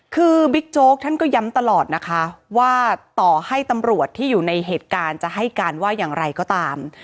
คือบิ๊กโจ๊กท่านก็ย้ำตลอดนะคะว่าต่อให้ตำรวจที่อยู่ในเหตุการณ์จะให้การว่าอย่างไรก็ตาม